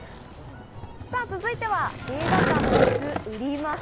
続いては映画館のイス、売ります。